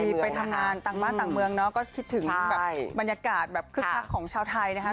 มีไปทำงานต่างบ้านต่างเมืองเนาะก็คิดถึงแบบบรรยากาศแบบคึกคักของชาวไทยนะครับ